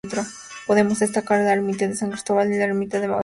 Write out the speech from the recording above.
Podemos destacar la ermita de San Cristóbal y la ermita de la Magdalena.